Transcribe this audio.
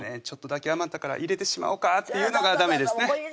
ちょっとだけ余ったから入れてしまおかっていうのがダメですね